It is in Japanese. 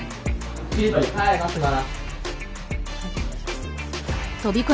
はい待ってます。